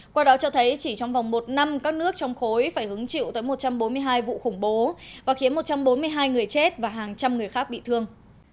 qua đó cho thấy chỉ trong vòng một năm các nước trong khối phải hứng chịu tới một trăm bốn mươi hai vụ khủng bố và khiến một trăm bốn mươi hai người chết và hàng trăm người khác bị thương